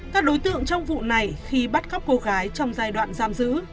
các đối tượng trong vụ này khi bắt cóc cô gái trong giai đoạn giam giữ